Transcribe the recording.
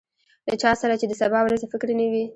له چا سره چې د سبا ورځې فکر نه وي.